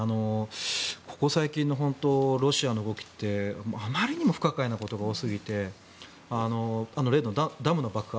ここ最近のロシアの動きってあまりにも不可解なことが多すぎて例のダムの爆破。